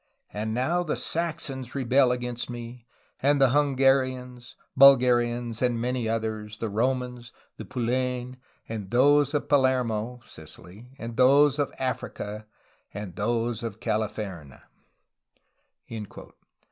And now the Saxons rebel against me, and the Hungarians, Bulgarians, and many others, the Romans, the 'Puillain/ and those of Palermo (Sicily) and those of Africa and those of 'Califerne'."